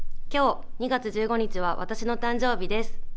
今日２月１５日は私の誕生日です。